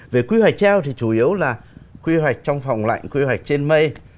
về quy hoạch treo thì chủ yếu là quy hoạch trong phòng lạnh quy hoạch trên mây